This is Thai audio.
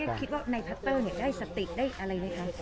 คิดว่าในพัตเตอร์ได้สติได้อะไรไหมคะ